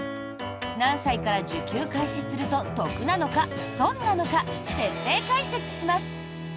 何歳から受給開始すると得なのか、損なのか徹底解説します。